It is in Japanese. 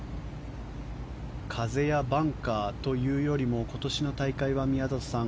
風やバンカーというよりも今年の大会は宮里さん